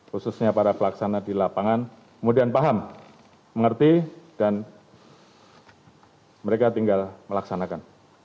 khususnya para pelaksana di lapangan kemudian paham mengerti dan mereka tinggal melaksanakan